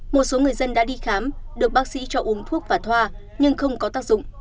một số người dân đã đi khám được bác sĩ cho uống thuốc và thoa nhưng không có tác dụng